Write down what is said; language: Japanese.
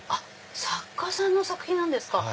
作家さんの作品なんですか。